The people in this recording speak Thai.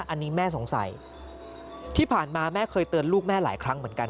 อันนี้แม่สงสัยที่ผ่านมาแม่เคยเตือนลูกแม่หลายครั้งเหมือนกัน